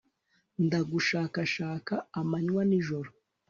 ndagushakashaka amanywa n'ijoro